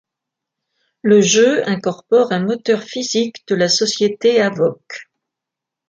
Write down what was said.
Le jeu incorpore un moteur physique de la société Havok.